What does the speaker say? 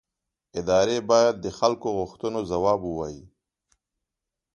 ادارې باید د خلکو غوښتنو ځواب ووایي